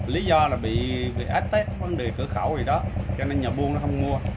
lý do là bị ách tết không bị cửa khẩu gì đó cho nên nhờ bua nó không mua